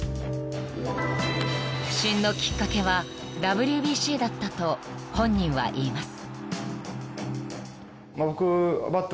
［不振のきっかけはＷＢＣだったと本人は言います］